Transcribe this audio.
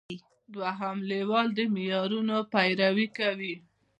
دوهم لیول د معیارونو پیروي کوي.